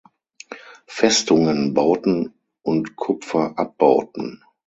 Festungen bauten und Kupfer abbauten.